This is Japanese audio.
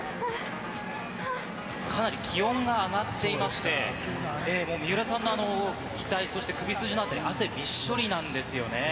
かなり気温が上がっていまして、もう水卜さんの額、そして首筋の辺り、汗びっしょりなんですよね。